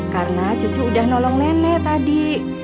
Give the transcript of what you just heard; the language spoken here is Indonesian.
karena cucu udah nolong nenek tadi